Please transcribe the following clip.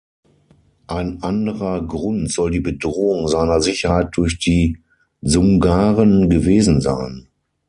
Ein anderer Grund soll die Bedrohung seiner Sicherheit durch die Dsungaren gewesen sein.